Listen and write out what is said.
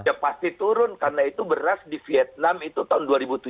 ya pasti turun karena itu beras di vietnam itu tahun dua ribu tujuh belas